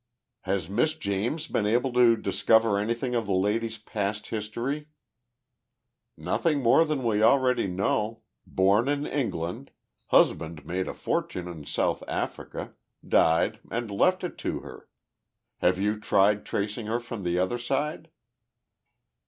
"Has Miss James been able to discover anything of the lady's past history?" "Nothing more than we already know born in England husband made a fortune in South Africa died and left it to her. Have you tried tracing her from the other side?"